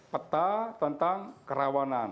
peta tentang kerawanan